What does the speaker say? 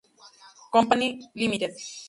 Company Limited.